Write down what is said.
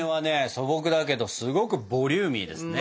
素朴だけどすごくボリューミーですね。